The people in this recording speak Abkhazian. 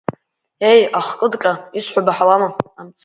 Еи, ахкыдҟьа, исҳәо баҳауама!